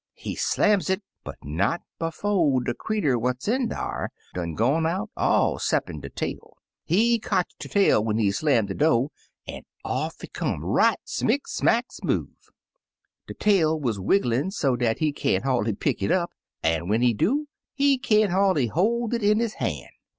He slams it, but not befo* de creetur what*s in dar done gone out, all *ceppin* de tail. He cotch de tail when he slam de do*, an* off it come right smick smack smoove. De tail wuz wigglin* so dat he can't hardly pick it up, an* when he do, he can*t hardly hoi* it in his han*.